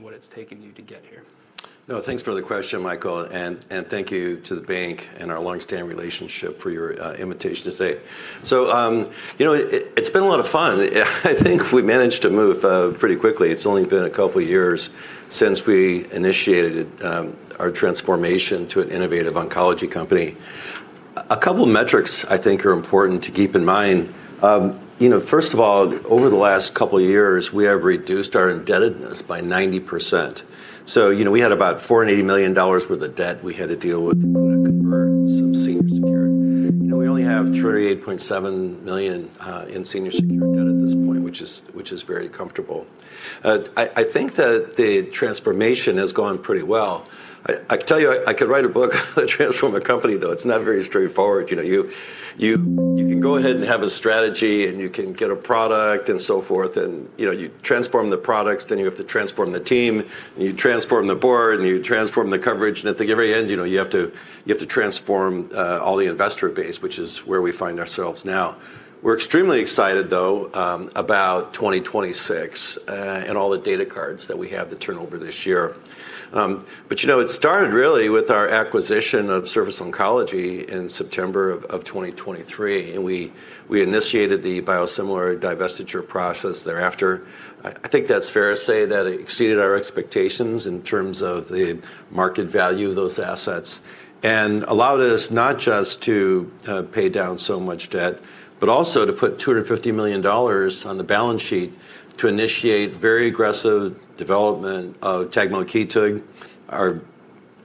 What it's taken you to get here. Thanks for the question, Michael, and thank you to the bank and our long-standing relationship for your invitation today. You know, it's been a lot of fun. I think we managed to move pretty quickly. It's only been a couple years since we initiated our transformation to an innovative oncology company. A couple metrics I think are important to keep in mind. You know, first of all, over the last couple years, we have reduced our indebtedness by 90%. You know, we had about $480 million worth of debt we had to deal with to convert some senior secured. Now we only have $3.7 million in senior secured debt at this point, which is very comfortable. I think that the transformation has gone pretty well. I could tell you, I could write a book on transforming a company, though. It's not very straightforward. You know, you can go ahead and have a strategy and you can get a product and so forth, and, you know, you transform the products, then you have to transform the team, and you transform the board, and you transform the coverage. At the very end, you know, you have to transform all the investor base, which is where we find ourselves now. We're extremely excited though, about 2026 and all the data cards that we have to turn over this year. You know, it started really with our acquisition of Surface Oncology in September of 2023, and we initiated the biosimilar divestiture process thereafter. I think that's fair to say that it exceeded our expectations in terms of the market value of those assets and allowed us not just to pay down so much debt, but also to put $250 million on the balance sheet to initiate very aggressive development of tagmokitug, our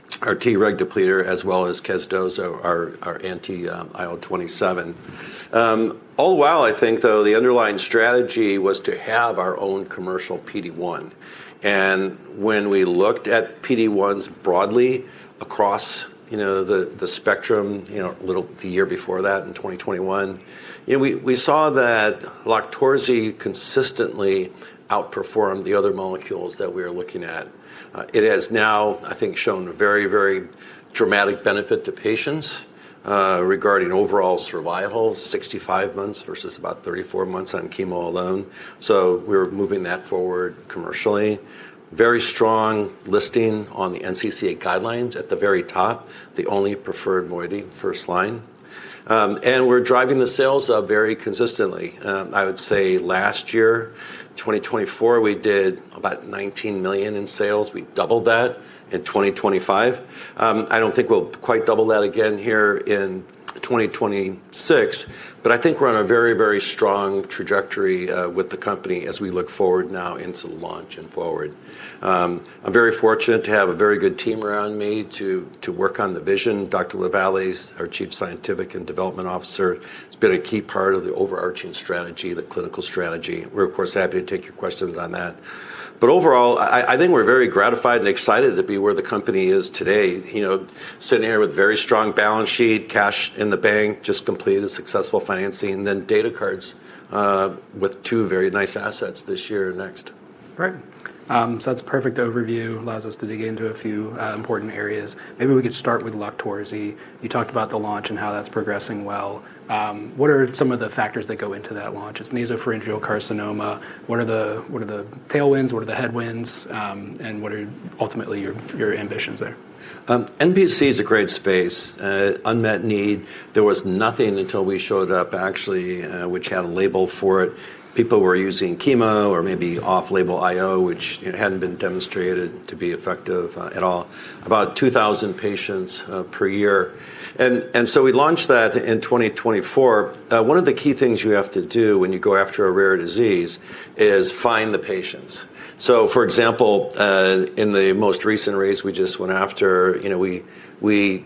Treg depleter, as well as SRF388, our anti-IL-27. All while I think, though, the underlying strategy was to have our own commercial PD-1. When we looked at PD-1s broadly across, you know, the spectrum, you know, the year before that in 2021, you know, we saw that LOQTORZI consistently outperformed the other molecules that we were looking at. It has now, I think, shown very dramatic benefit to patients regarding overall survival, 65 months versus about 34 months on chemo alone. We're moving that forward commercially. Very strong listing on the NCCN guidelines at the very top, the only preferred moiety first line. We're driving the sales up very consistently. I would say last year, 2024, we did about $19 million in sales. We doubled that in 2025. I don't think we'll quite double that again here in 2026, but I think we're on a very, very strong trajectory with the company as we look forward now into the launch and forward. I'm very fortunate to have a very good team around me to work on the vision. Theresa LaVallee's our Chief Scientific and Development Officer. He's been a key part of the overarching strategy, the clinical strategy. We're of course happy to take your questions on that. Overall, I think we're very gratified and excited to be where the company is today. You know, sitting here with very strong balance sheet, cash in the bank, just completed a successful financing, then data cards, with two very nice assets this year next. Great. That's a perfect overview. Allows us to dig into a few important areas. Maybe we could start with LOQTORZI. You talked about the launch and how that's progressing well. What are some of the factors that go into that launch? It's nasopharyngeal carcinoma. What are the tailwinds, what are the headwinds, and what are ultimately your ambitions there? NPC is a great space, unmet need. There was nothing until we showed up, actually, which had a label for it. People were using chemo or maybe off-label IO, which it hadn't been demonstrated to be effective at all. About 2,000 patients per year. We launched that in 2024. One of the key things you have to do when you go after a rare disease is find the patients. So for example, in the most recent raise we just went after, you know, we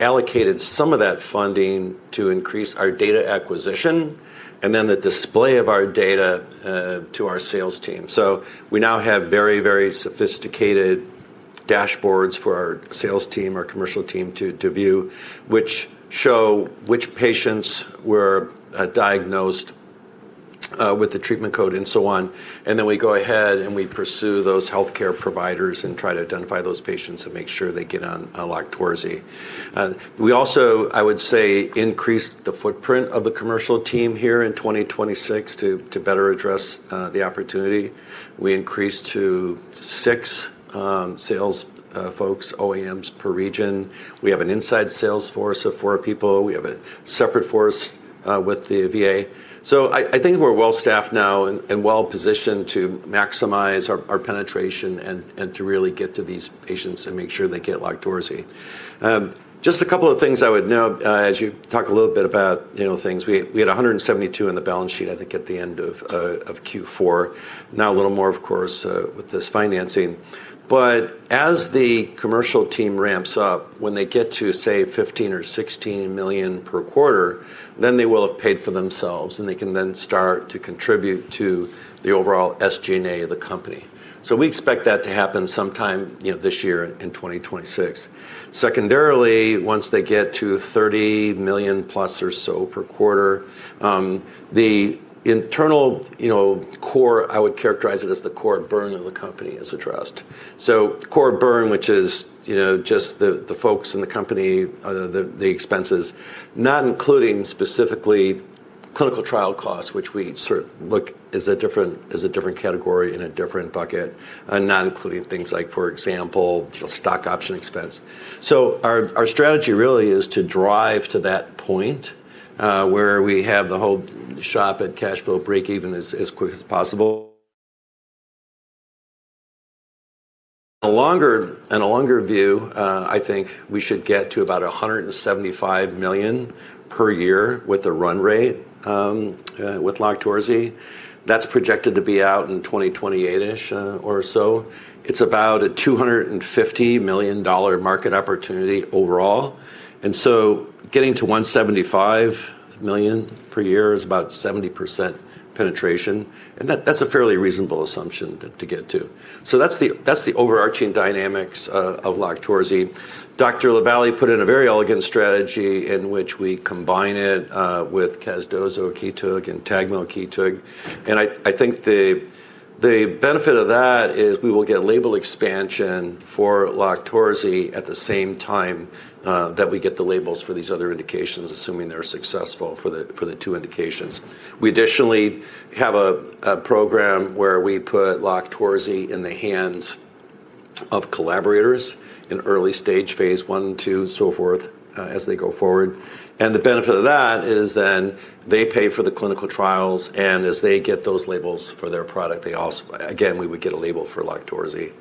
allocated some of that funding to increase our data acquisition and then the display of our data to our sales team. We now have very, very sophisticated dashboards for our sales team, our commercial team to view, which show which patients were diagnosed with the treatment code and so on. Then we go ahead and we pursue those healthcare providers and try to identify those patients and make sure they get on LOQTORZI. We also, I would say, increased the footprint of the commercial team here in 2026 to better address the opportunity. We increased to six sales folks, OAMs per region. We have an inside sales force of 4 people. We have a separate force with the VA. I think we're well-staffed now and well-positioned to maximize our penetration and to really get to these patients and make sure they get LOQTORZI. Just a couple of things I would note, as you talk a little bit about, you know, things. We had $172 on the balance sheet, I think, at the end of Q4. Now a little more, of course, with this financing. As the commercial team ramps up, when they get to, say, $15 million-$16 million per quarter, then they will have paid for themselves, and they can then start to contribute to the overall SG&A of the company. We expect that to happen sometime, you know, this year in 2026. Secondarily, once they get to $30 million plus or so per quarter, the internal, you know, core, I would characterize it as the core burn of the company as a trust. Core burn, which is, you know, just the folks in the company, the expenses, not including specifically clinical trial costs, which we sort of look as a different, as a different category in a different bucket, not including things like, for example, stock option expense. Our strategy really is to drive to that point, where we have the whole shop at cash flow breakeven as quick as possible. In a longer view, I think we should get to about $175 million per year with a run rate, with LOQTORZI. That's projected to be out in 2028-ish, or so. It's about a $250 million market opportunity overall, getting to $175 million per year is about 70% penetration, and that's a fairly reasonable assumption to get to. That's the overarching dynamics of LOQTORZI. Dr. LaVallee put in a very elegant strategy in which we combine it with casdozokitug and tagmokitug, I think the benefit of that is we will get label expansion for LOQTORZI at the same time that we get the labels for these other indications, assuming they're successful for the two indications. We additionally have a program where we put LOQTORZI in the hands of collaborators in early stage phase I, II, so forth, as they go forward, and the benefit of that is then they pay for the clinical trials, and as they get those labels for their product, they also again, we would get a label for LOQTORZI.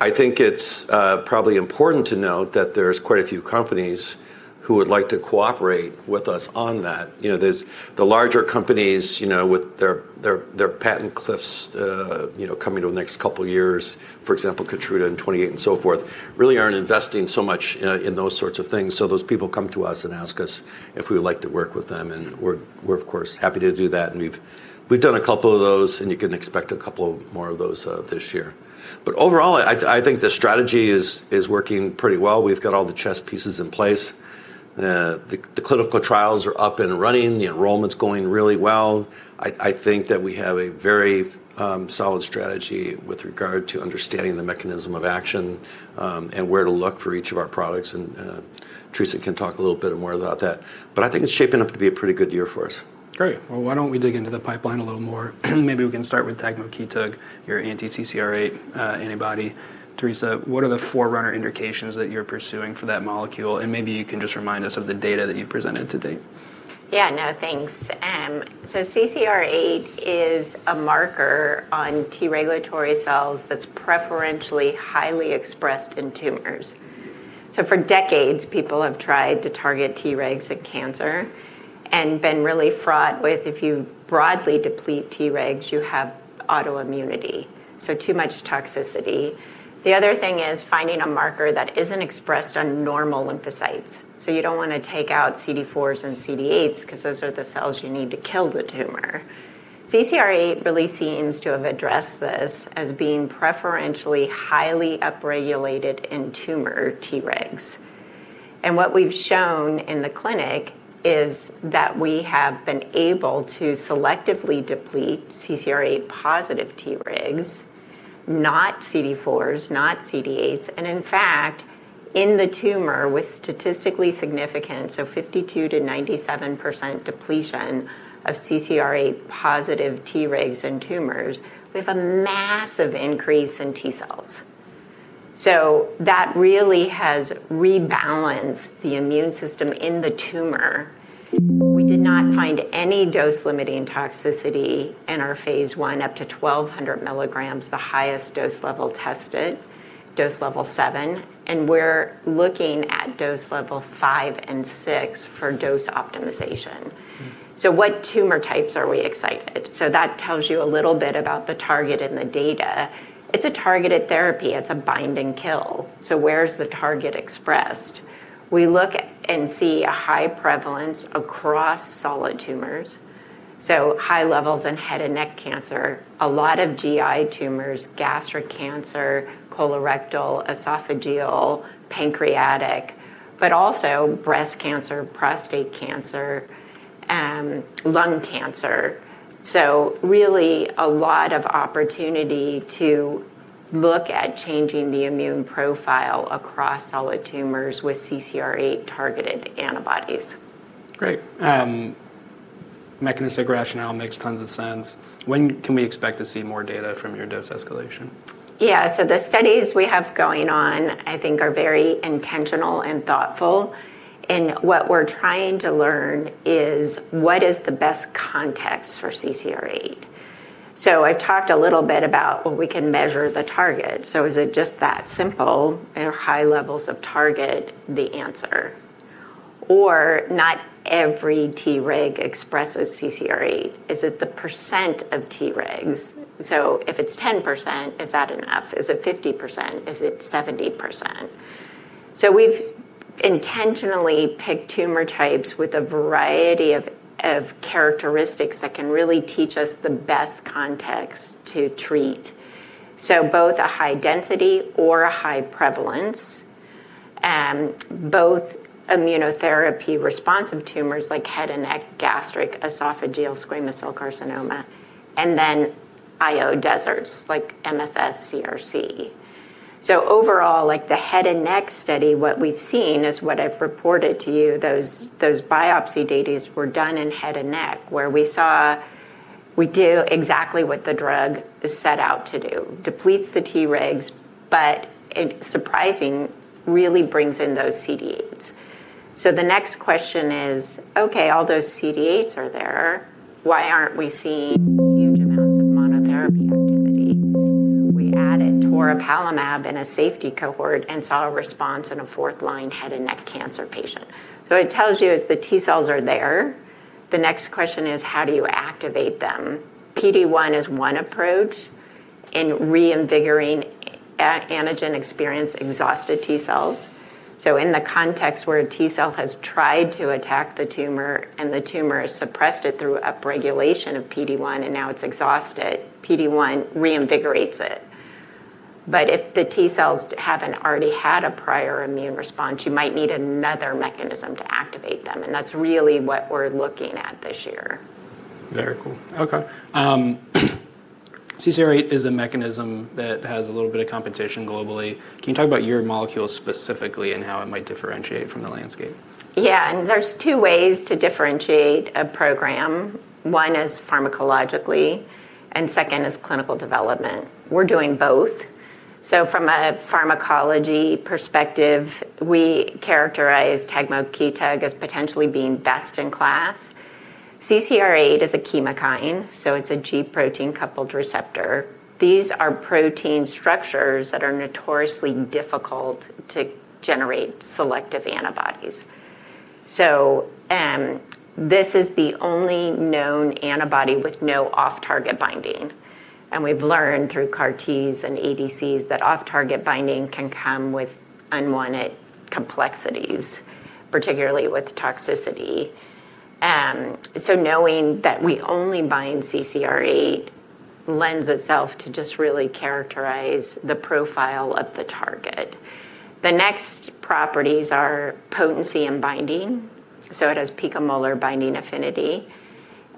I think it's probably important to note that there's quite a few companies who would like to cooperate with us on that. You know, there's the larger companies, you know, with their patent cliffs, coming to the next couple years, for example, KEYTRUDA and 2028 and so forth, really aren't investing so much in those sorts of things. Those people come to us and ask us if we would like to work with them, and we're of course happy to do that, and we've done a couple of those, and you can expect a couple more of those this year. Overall, I think the strategy is working pretty well. We've got all the chess pieces in place. The clinical trials are up and running. The enrollment's going really well. I think that we have a very solid strategy with regard to understanding the mechanism of action, and where to look for each of our products and Theresa can talk a little bit more about that. I think it's shaping up to be a pretty good year for us. Great. Well, why don't we dig into the pipeline a little more? Maybe we can start with tagmokitug, your anti-CCR8 antibody. Theresa, what are the forerunner indications that you're pursuing for that molecule? Maybe you can just remind us of the data that you've presented to date. Yeah. No, thanks. CCR8 is a marker on T-regulatory cells that's preferentially highly expressed in tumors. For decades, people have tried to target Tregs in cancer and been really fraught with if you broadly deplete Tregs, you have autoimmunity, so too much toxicity. The other thing is finding a marker that isn't expressed on normal lymphocytes. You don't wanna take out CD4s and CD8s 'cause those are the cells you need to kill the tumor. CCR8 really seems to have addressed this as being preferentially highly upregulated in tumor Tregs. What we've shown in the clinic is that we have been able to selectively deplete CCR8 positive Tregs, not CD4s, not CD8s, and in fact, in the tumor with statistically significant, so 52%-97% depletion of CCR8 positive Tregs in tumors, we have a massive increase in T cells. That really has rebalanced the immune system in the tumor. We did not find any dose-limiting toxicity in our phase I up to 1,200 milligrams, the highest dose level tested, dose level 7, and we're looking at dose level 5 and 6 for dose optimization. What tumor types are we excited? That tells you a little bit about the target and the data. It's a targeted therapy. It's a bind and kill. Where's the target expressed? We look and see a high prevalence across solid tumors, so high levels in head and neck cancer, a lot of GI tumors, gastric cancer, colorectal, esophageal, pancreatic, but also breast cancer, prostate cancer, lung cancer. Really a lot of opportunity to look at changing the immune profile across solid tumors with CCR8-targeted antibodies. Great. mechanistic rationale makes tons of sense. When can we expect to see more data from your dose escalation? Yeah. The studies we have going on, I think, are very intentional and thoughtful, and what we're trying to learn is what is the best context for CCR8. I've talked a little bit about when we can measure the target. Is it just that simple? Are high levels of target the answer? Not every Treg expresses CCR8. Is it the percent of Tregs? If it's 10%, is that enough? Is it 50%? Is it 70%? We've intentionally picked tumor types with a variety of characteristics that can really teach us the best context to treat. Both a high density or a high prevalence, both immunotherapy responsive tumors like head and neck, gastric, esophageal squamous cell carcinoma, and then IO deserts like MSS CRC. Overall, like the head and neck study, what we've seen is what I've reported to you, those biopsy datas were done in head and neck, where we saw we do exactly what the drug is set out to do, depletes the Tregs, but, surprisingly, really brings in those CD8s. The next question is, okay, all those CD8s are there, why aren't we seeing huge amounts of monotherapy activity? We added toripalimab in a safety cohort and saw a response in a 4th-line head and neck cancer patient. What it tells you is the T cells are there. The next question is, how do you activate them? PD-1 is one approach in reinvigorating antigen experienced exhausted T-cells. In the context where a T-cell has tried to attack the tumor and the tumor has suppressed it through upregulation of PD-1 and now it's exhausted, PD-1 reinvigorates it. If the T-cells haven't already had a prior immune response, you might need another mechanism to activate them, that's really what we're looking at this year. Very cool. Okay. CCR8 is a mechanism that has a little bit of competition globally. Can you talk about your molecule specifically and how it might differentiate from the landscape? Yeah. There's two ways to differentiate a program. One is pharmacologically, and second is clinical development. We're doing both. From a pharmacology perspective, we characterize tagmokitug as potentially being best in class. CCR8 is a chemokine. It's a G protein-coupled receptor. These are protein structures that are notoriously difficult to generate selective antibodies. This is the only known antibody with no off-target binding, and we've learned through CAR-Ts and ADCs that off-target binding can come with unwanted complexities, particularly with toxicity. Knowing that we only bind CCR8 lends itself to just really characterize the profile of the target. The next properties are potency and binding. It has picomolar binding affinity,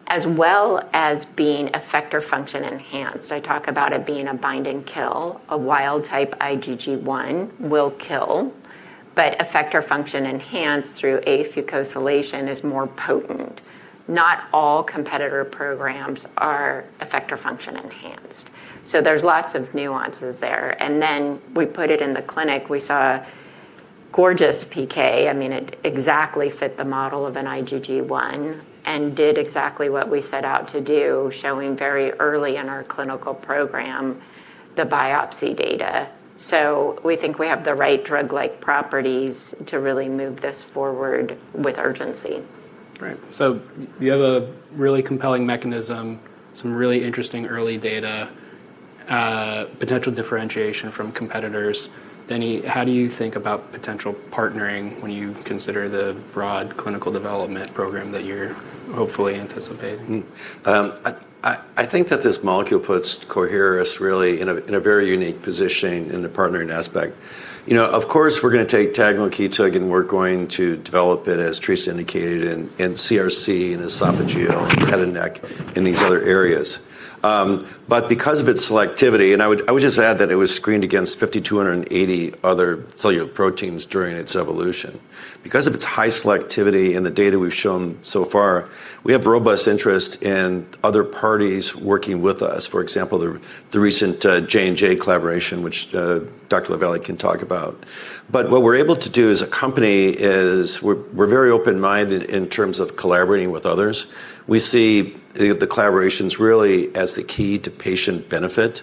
as well as being effector function enhanced. I talk about it being a bind and kill. A wild type IgG1 will kill, but effector function enhanced through afucosylation is more potent. Not all competitor programs are effector function enhanced. There's lots of nuances there. Then we put it in the clinic, we saw gorgeous PK. I mean, it exactly fit the model of an IgG1 and did exactly what we set out to do, showing very early in our clinical program the biopsy data. We think we have the right drug-like properties to really move this forward with urgency. Right. You have a really compelling mechanism, some really interesting early data, potential differentiation from competitors. Denny, how do you think about potential partnering when you consider the broad clinical development program that you're hopefully anticipating? I think that this molecule puts Coherus really in a very unique positioning in the partnering aspect. You know, of course, we're gonna take tagmokitug, and we're going to develop it, as Theresa indicated, in CRC, in esophageal, head and neck, in these other areas. Because of its selectivity, and I would just add that it was screened against 5,280 other cellular proteins during its evolution. Because of its high selectivity in the data we've shown so far, we have robust interest in other parties working with us, for example, the recent J&J collaboration, which Dr. LaVallee can talk about. What we're able to do as a company is we're very open-minded in terms of collaborating with others. We see the collaborations really as the key to patient benefit.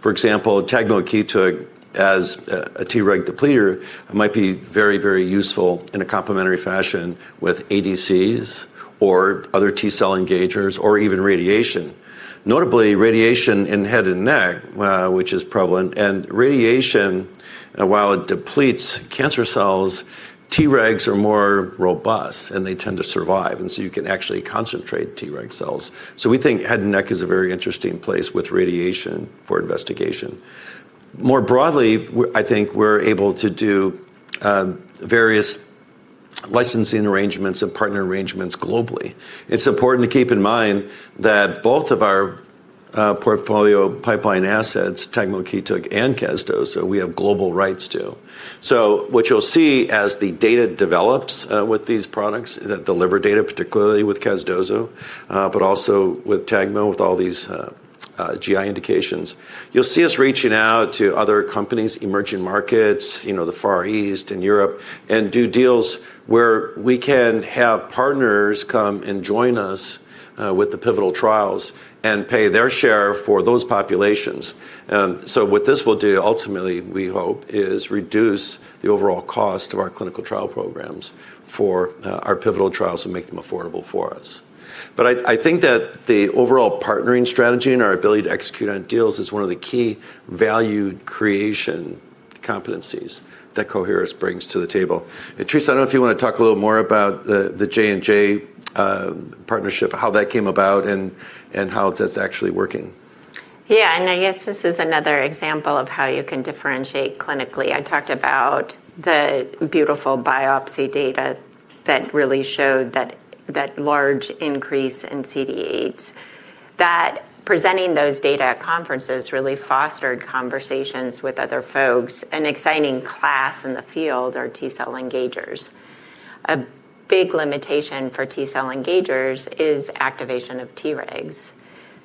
For example, tagmokitug as a Treg depleter might be very, very useful in a complementary fashion with ADCs or other T cell engagers or even radiation. Notably, radiation in head and neck, which is prevalent, and radiation, while it depletes cancer cells, Tregs are more robust, and they tend to survive, and so you can actually concentrate Treg cells. We think head and neck is a very interesting place with radiation for investigation. More broadly, I think we're able to do various licensing arrangements and partner arrangements globally. It's important to keep in mind that both of our portfolio pipeline assets, tagmokitug and casdozo, we have global rights to. What you'll see as the data develops with these products, that deliver data, particularly with casdozo, but also with tagmo, with all these GI indications, you'll see us reaching out to other companies, emerging markets, you know, the Far East and Europe, and do deals where we can have partners come and join us with the pivotal trials and pay their share for those populations. What this will do ultimately, we hope, is reduce the overall cost of our clinical trial programs for our pivotal trials and make them affordable for us. I think that the overall partnering strategy and our ability to execute on deals is one of the key value creation competencies that Coherus brings to the table. Theresa, I don't know if you wanna talk a little more about the J&J partnership, how that came about and how that's actually working? Yeah. I guess this is another example of how you can differentiate clinically. I talked about the beautiful biopsy data that really showed that large increase in CD8s. Presenting those data at conferences really fostered conversations with other folks. An exciting class in the field are T cell engagers. A big limitation for T cell engagers is activation of Tregs.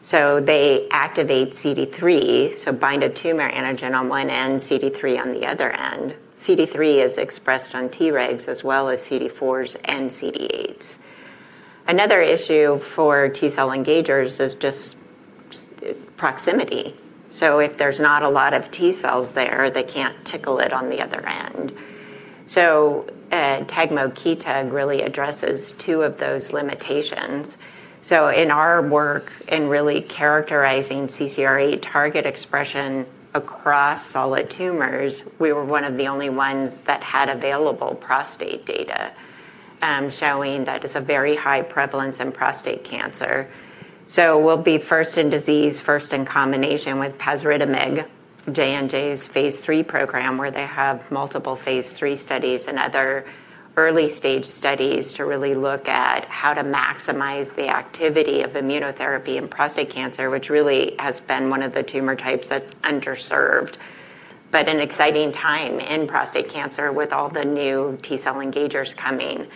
They activate CD3, so bind a tumor antigen on one end, CD3 on the other end. CD3 is expressed on Tregs as well as CD4s and CD8s. Another issue for T cell engagers is just proximity. If there's not a lot of T cells there, they can't tickle it on the other end. tagmokitug really addresses two of those limitations. In our work in really characterizing CCRA target expression across solid tumors, we were one of the only ones that had available prostate data, showing that it's a very high prevalence in prostate cancer. We'll be first in disease, first in combination with talquetamab, J&J's phase II program, where they have multiple phase III studies and other early stage studies to really look at how to maximize the activity of immunotherapy in prostate cancer, which really has been one of the tumor types that's underserved. An exciting time in prostate cancer with all the new T cell engagers coming.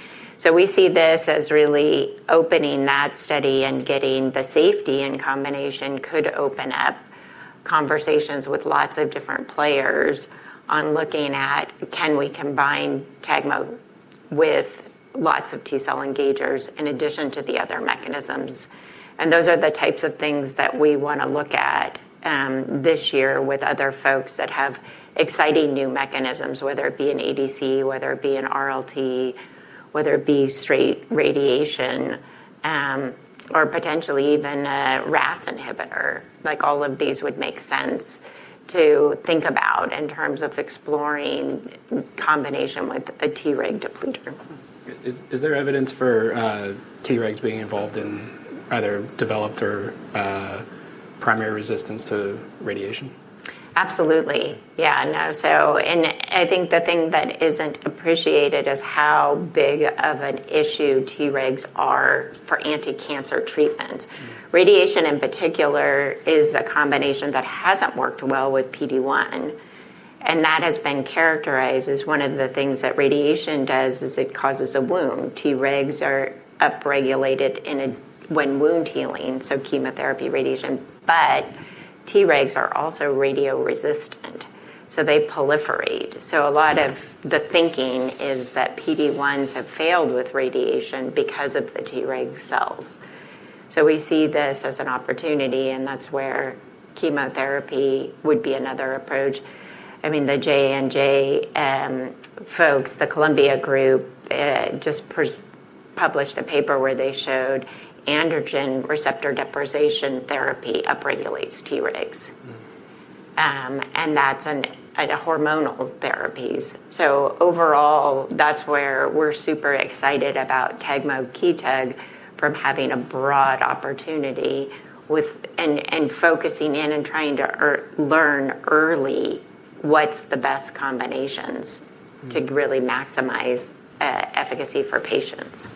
We see this as really opening that study and getting the safety in combination could open up conversations with lots of different players on looking at can we combine TEGMO with lots of T cell engagers in addition to the other mechanisms, and those are the types of things that we want to look at this year with other folks that have exciting new mechanisms, whether it be an ADC, whether it be an RLT, whether it be straight radiation, or potentially even a RAS inhibitor. Like all of these would make sense to think about in terms of exploring combination with a Treg depleter. Is there evidence for Tregs being involved in either developed or primary resistance to radiation? Absolutely. I think the thing that isn't appreciated is how big of an issue Tregs are for anticancer treatment. Radiation in particular is a combination that hasn't worked well with PD-1. That has been characterized as one of the things that radiation does is it causes a wound. Tregs are upregulated when wound healing, so chemotherapy, radiation. Tregs are also radioresistant, so they proliferate. A lot of the thinking is that PD-1s have failed with radiation because of the Treg cells. We see this as an opportunity. That's where chemotherapy would be another approach. I mean, the J&J folks, the Columbia group, just published a paper where they showed androgen deprivation therapy upregulates Tregs. That's hormonal therapies. Overall, that's where we're super excited about tagmokitug from having a broad opportunity with... Focusing in and trying to ear-learn early what's the best combinations to really maximize efficacy for patients.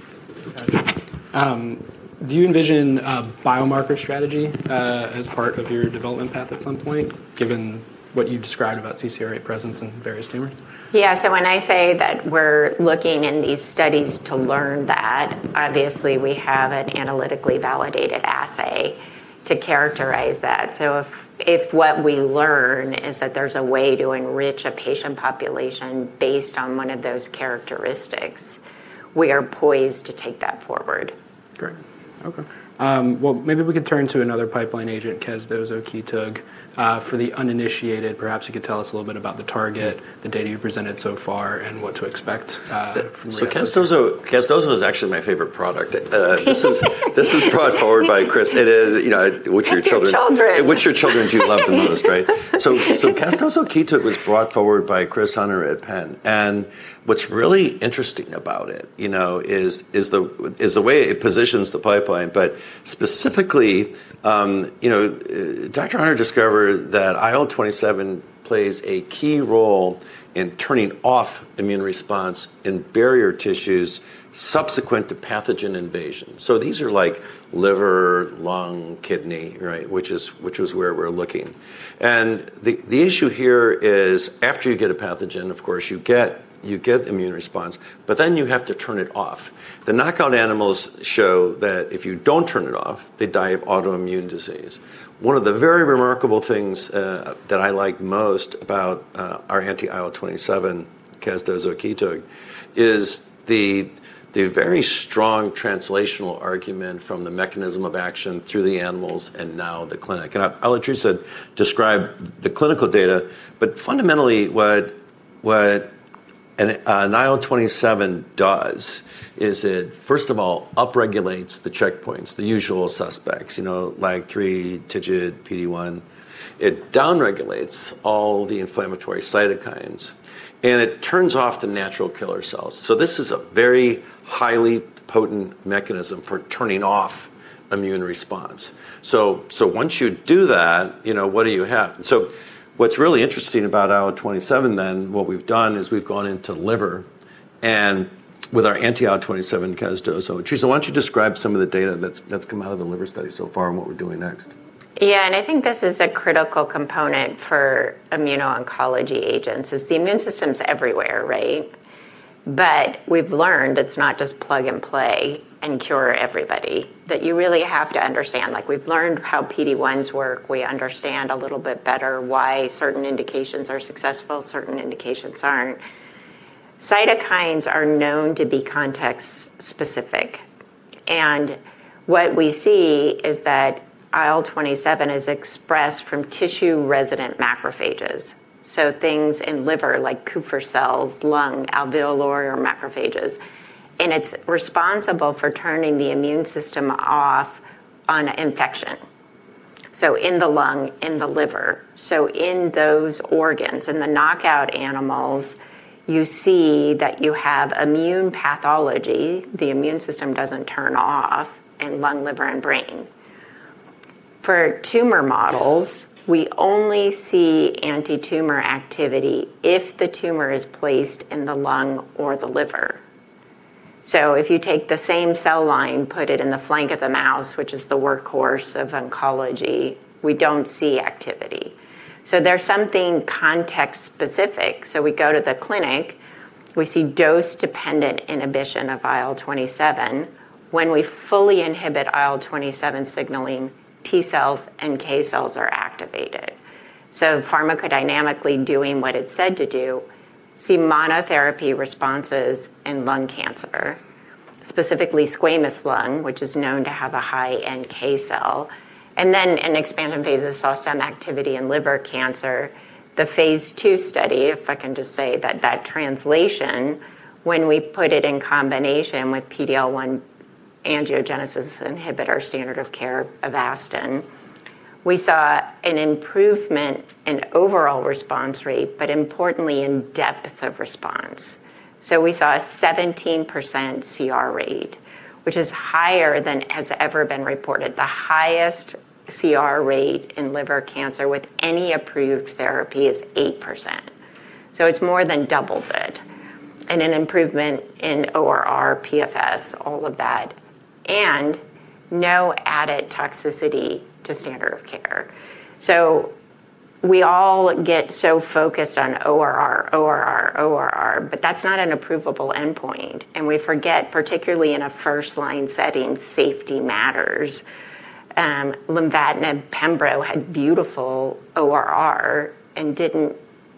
Do you envision a biomarker strategy, as part of your development path at some point, given what you described about CCRA presence in various tumors? Yeah. When I say that we're looking in these studies to learn that, obviously, we have an analytically validated assay to characterize that. If what we learn is that there's a way to enrich a patient population based on one of those characteristics, we are poised to take that forward. Great. Okay. Maybe we could turn to another pipeline agent, casdozokitug. For the uninitiated, perhaps you could tell us a little bit about the target, the data you've presented so far, and what to expect from where that's going. Casdozo is actually my favorite product. this is brought forward by Chris. It is, you know, which of your children. It's your children. Which of your children do you love the most, right? Casdozokitug was brought forward by Chris Hunter at Penn, and what's really interesting about it, you know, is the way it positions the pipeline. Specifically, you know, Dr. Hunter discovered that IL-27 plays a key role in turning off immune response in barrier tissues subsequent to pathogen invasion. These are like liver, lung, kidney, right? Which is where we're looking. The issue here is after you get a pathogen, of course, you get immune response, but then you have to turn it off. The knockout animals show that if you don't turn it off, they die of autoimmune disease. One of the very remarkable things, that I like most about, our anti-IL-27 casdozokitug is the very strong translational argument from the mechanism of action through the animals and now the clinic. I'll let Theresa describe the clinical data, but fundamentally what an IL-27 does is it first of all upregulates the checkpoints, the usual suspects, you know, LAG-3, TIGIT, PD-1. It downregulates all the inflammatory cytokines, and it turns off the natural killer cells. This is a very highly potent mechanism for turning off immune response. Once you do that, you know, what do you have? What's really interesting about IL-27 then what we've done is we've gone into liver and With our anti-IL-27 casdozo. Why don't you describe some of the data that's come out of the liver study so far and what we're doing next? Yeah. I think this is a critical component for immuno-oncology agents, is the immune system's everywhere, right? We've learned it's not just plug and play and cure everybody, that you really have to understand. Like, we've learned how PD-1s work. We understand a little bit better why certain indications are successful, certain indications aren't. Cytokines are known to be context specific. What we see is that IL-27 is expressed from tissue-resident macrophages, so things in liver like Kupffer cells, lung, alveolar macrophages. It's responsible for turning the immune system off on infection, so in the lung, in the liver. In those organs, in the knockout animals, you see that you have immune pathology. The immune system doesn't turn off in lung, liver, and brain. For tumor models, we only see anti-tumor activity if the tumor is placed in the lung or the liver. If you take the same cell line, put it in the flank of the mouse, which is the workhorse of oncology, we don't see activity. There's something context specific. We go to the clinic, we see dose-dependent inhibition of IL-27. When we fully inhibit IL-27 signaling, T cells and NK cells are activated. Pharmacodynamically doing what it's said to do, see monotherapy responses in lung cancer, specifically squamous lung, which is known to have a high NK cell. In expansion phases, saw some activity in liver cancer. The phase II study, if I can just say that that translation, when we put it in combination with PD-L1 angiogenesis inhibitor standard of care Avastin, we saw an improvement in overall response rate, but importantly in depth of response. We saw a 17% CR rate, which is higher than has ever been reported. The highest CR rate in liver cancer with any approved therapy is 8%, so it's more than doubled it. An improvement in ORR, PFS, all of that, and no added toxicity to standard of care. We all get so focused on ORR, ORR, but that's not an approvable endpoint. We forget, particularly in a first-line setting, safety matters. lenvatinib pembrolizumab had beautiful ORR and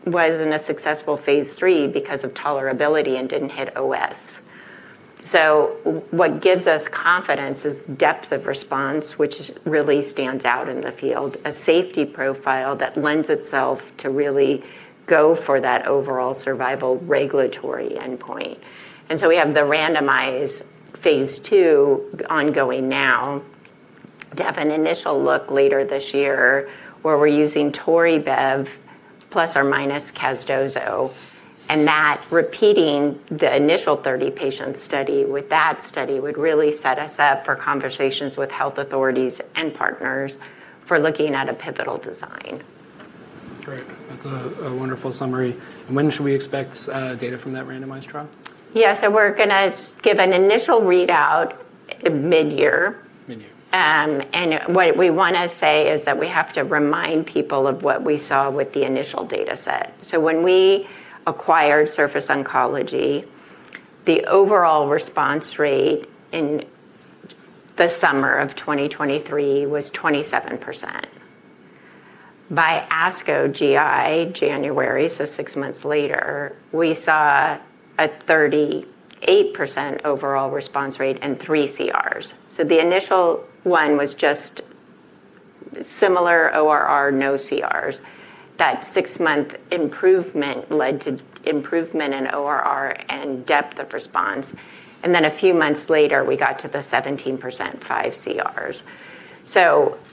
wasn't a successful phase III because of tolerability and didn't hit OS. What gives us confidence is depth of response, which really stands out in the field, a safety profile that lends itself to really go for that overall survival regulatory endpoint. We have the randomized phase II ongoing now to have an initial look later this year, where we're using toripalimab plus or minus casdozo. That repeating the initial 30-patient study with that study would really set us up for conversations with health authorities and partners for looking at a pivotal design. Great. That's a wonderful summary. When should we expect, data from that randomized trial? Yeah. We're gonna give an initial readout mid-year. Mid-year. What we wanna say is that we have to remind people of what we saw with the initial dataset. When we acquired Surface Oncology, the overall response rate in the summer of 2023 was 27%. By ASCO GI, January, 6 months later, we saw a 38% overall response rate and 3 CRs. The initial one was just similar ORR, no CRs. That six-month improvement led to improvement in ORR and depth of response. A few months later, we got to the 17% 5 CRs.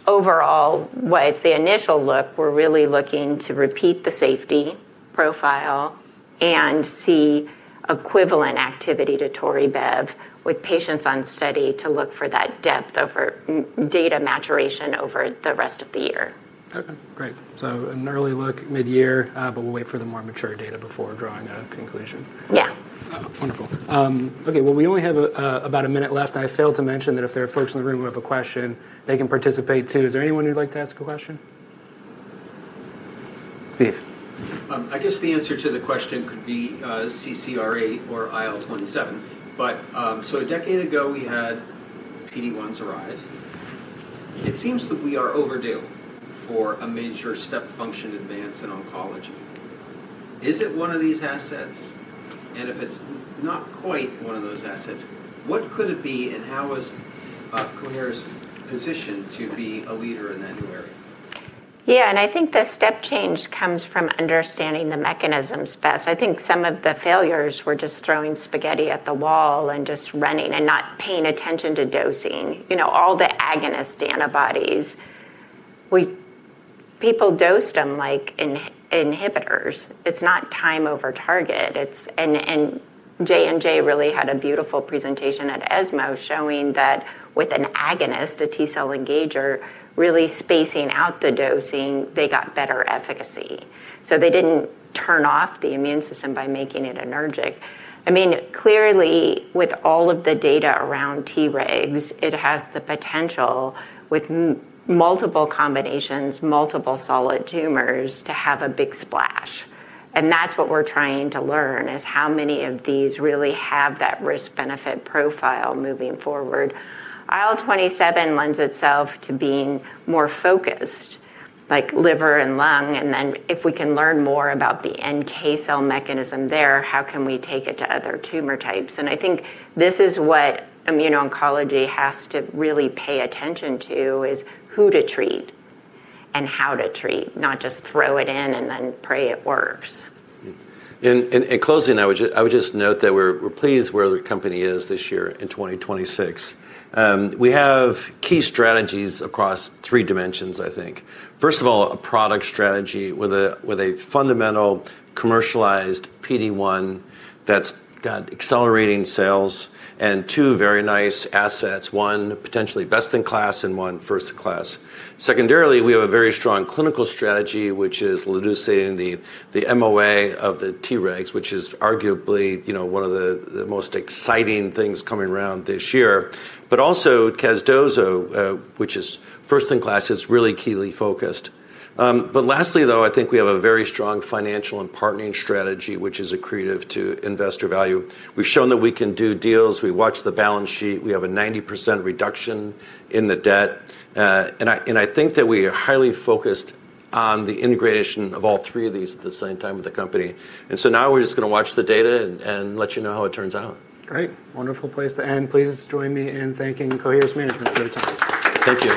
Overall, with the initial look, we're really looking to repeat the safety profile and see equivalent activity to toripalimab with patients on study to look for that depth over data maturation over the rest of the year. Okay, great. An early look mid-year, but we'll wait for the more mature data before drawing a conclusion. Yeah. Wonderful. Okay, well, we only have about one minute left. I failed to mention that if there are folks in the room who have a question, they can participate too. Is there anyone who'd like to ask a question? Steve. I guess the answer to the question could be CCRA or IL-27. A decade ago, we had PD-1s arrive. It seems that we are overdue for a major step function advance in oncology. Is it one of these assets? If it's not quite one of those assets, what could it be, and how is Coherus position to be a leader in that new area? Yeah. I think the step change comes from understanding the mechanisms best. I think some of the failures were just throwing spaghetti at the wall and just running and not paying attention to dosing. You know, all the agonist antibodies, People dosed them like inhibitors. It's not time over target. J&J really had a beautiful presentation at ESMO showing that with an agonist, a T-cell engager, really spacing out the dosing, they got better efficacy. They didn't turn off the immune system by making it anergic. I mean, clearly, with all of the data around Tregs, it has the potential with multiple combinations, multiple solid tumors, to have a big splash. That's what we're trying to learn, is how many of these really have that risk-benefit profile moving forward. IL-27 lends itself to being more focused, like liver and lung, then if we can learn more about the NK cell mechanism there, how can we take it to other tumor types? I think this is what immuno-oncology has to really pay attention to, is who to treat and how to treat, not just throw it in and then pray it works. In closing, I would just note that we're pleased where the company is this year in 2026. We have key strategies across three dimensions, I think. First of all, a product strategy with a fundamental commercialized PD-1 that's got accelerating sales and two very nice assets, one potentially best in class and one first class. Secondarily, we have a very strong clinical strategy, which is elucidating the MOA of the Tregs, which is arguably, you know, one of the most exciting things coming around this year. Also casdozo, which is first in class, is really keenly focused. Lastly, though, I think we have a very strong financial and partnering strategy, which is accretive to investor value. We've shown that we can do deals. We watched the balance sheet. We have a 90% reduction in the debt. I think that we are highly focused on the integration of all three of these at the same time with the company. Now we're just gonna watch the data and let you know how it turns out. Great. Wonderful place to end. Please join me in thanking Coherus management for their time. Thank you.